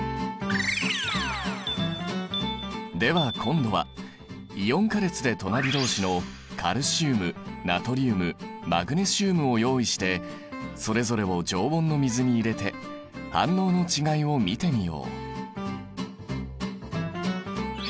では今度はイオン化列で隣同士のカルシウムナトリウムマグネシウムを用意してそれぞれを常温の水に入れて反応の違いを見てみよう。